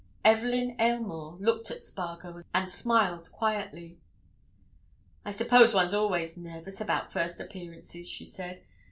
Evelyn Aylmore looked at Spargo, and smiled quietly. "I suppose one's always nervous about first appearances," she said.